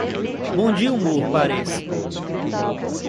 Bom dia humor parece.